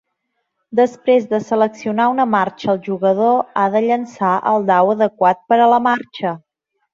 Després de seleccionar una marxa, el jugador ha de llançar el dau adequat per a la marxa.